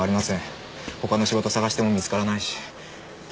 他の仕事探しても見つからないし。